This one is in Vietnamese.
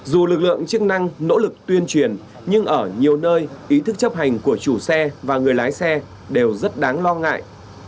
dù lực lượng chức năng nỗ lực tuyên truyền nhưng ở nhiều nơi ý thức chấp hành của chủ xe và người lái xe đều rất đáng lo ngại